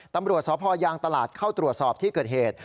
ตำรวจสพยางตลาดเข้าตรวจสอบที่เกิดเหตุ